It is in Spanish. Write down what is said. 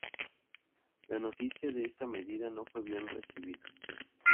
La noticia de esta medida no fue bien recibida.